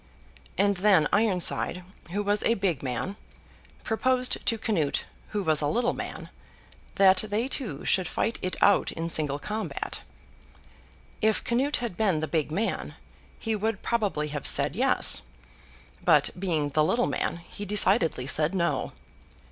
—and then Ironside, who was a big man, proposed to Canute, who was a little man, that they two should fight it out in single combat. If Canute had been the big man, he would probably have said yes, but, being the little man, he decidedly said no.